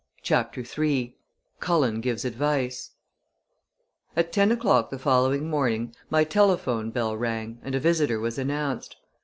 CHAPTER III CULLEN GIVES ADVICE At ten o'clock the following morning my telephone bell rang and a visitor was announced.